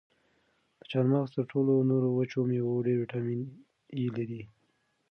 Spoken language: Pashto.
دا چهارمغز تر ټولو نورو وچو مېوو ډېر ویټامین ای لري.